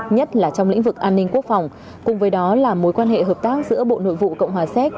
nhất là trong lĩnh vực an ninh quốc phòng cùng với đó là mối quan hệ hợp tác giữa bộ nội vụ cộng hòa séc